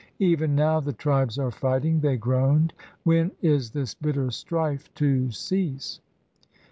"Even now the tribes are fighting," they groaned. "When is this bitter strife to cease?"